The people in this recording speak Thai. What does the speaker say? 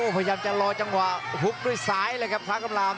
พยายามจะรอจังหวะหุบด้วยซ้ายเลยครับสร้างกำลัง